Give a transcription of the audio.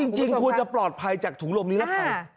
จริงควรจะปลอดภัยจากถุงลมนิรภัย